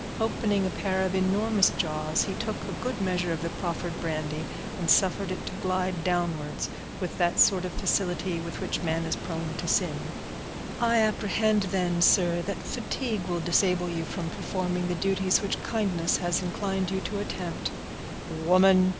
'" Opening a pair of enormous jaws, he took a good measure of the proffered brandy, and suffered it to glide downwards, with that sort of facility with which man is prone to sin. "I apprehend, then, sir, that fatigue will disable you from performing the duties which kindness has induced you to attempt." "Woman!"